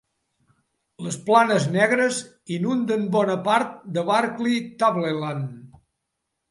Les planes negres inunden bona part de Barkly Tableland.